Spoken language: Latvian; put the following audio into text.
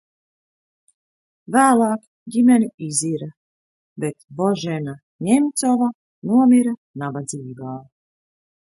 Vēlāk ģimene izira, bet Božena Ņemcova nomira nabadzībā.